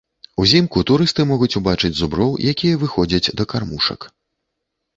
Узімку турысты могуць убачыць зуброў, якія выходзяць да кармушак.